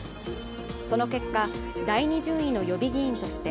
その結果、第２順位の予備議員として